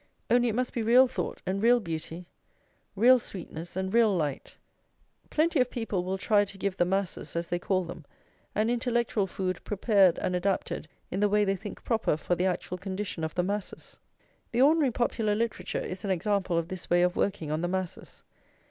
Only it must be real thought and real beauty; real sweetness and real light. Plenty of people will try to give the masses, as they call them, an intellectual food prepared and adapted in the way they think proper for the actual condition of the masses. The ordinary popular literature is an example of this way of working on the masses.